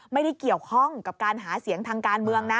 ไม่ได้เกี่ยวข้องกับการหาเสียงทางการเมืองนะ